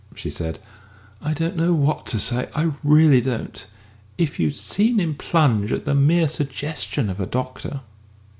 she said. "I don't know what to say. I really don't. If you had seen him plunge at the mere suggestion of a doctor!"